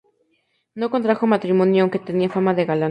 No contrajo matrimonio, aunque tenía fama de galán.